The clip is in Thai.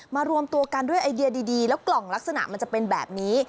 รวมตัวกันด้วยไอเดียดีแล้วกล่องลักษณะมันจะเป็นแบบนี้